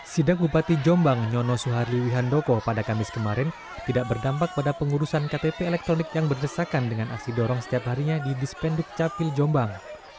sidak bupati jombang nyono suharli wihandoko pada kamis kemarin tidak berdampak pada pengurusan ktp elektronik yang berdesakan dengan aksi dorong setiap harinya di dispenduk capil jombang